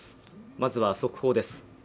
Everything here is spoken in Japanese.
まずは速報です